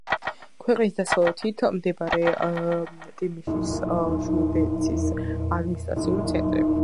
ქვეყნის დასავლეთით მდებარე ტიმიშის ჟუდეცის ადმინისტრაციული ცენტრი.